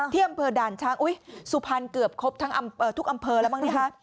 ที่อำเภอด่านช้างอุ๊ยสุพรรณเกือบครบทั้งทุกอำเภอแล้วบ้างนะคะ